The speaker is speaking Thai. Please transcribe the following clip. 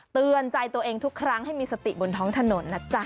เตือนใจตัวเองทุกครั้งให้มีสติบนท้องถนนนะจ๊ะ